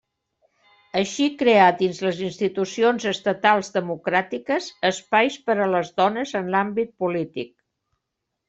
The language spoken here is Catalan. Així creà dins les institucions estatals democràtiques espais per a les dones en l'àmbit polític.